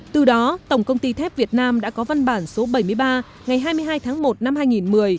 từ đó tổng công ty thép việt nam đã có văn bản số bảy mươi ba ngày hai mươi hai tháng một năm hai nghìn một mươi